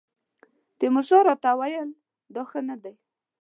تیمورشاه راته وویل دا ښه نه دی.